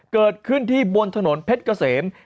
เกิดขึ้นที่บนถนนเพชรเกษม